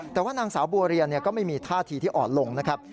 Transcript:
แต่ว่านางสาวบัวเรียนก็ไม่มีท่าทีที่อ่อนลงนะครับ